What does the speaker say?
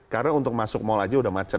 karena untuk masuk mall aja udah macet